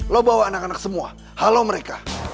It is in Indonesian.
lo bawa anak anak semua halo mereka